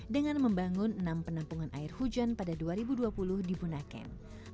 dengan membangun enam penampungan air hujan pada dua ribu dua puluh di bunaken